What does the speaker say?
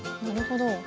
なるほど。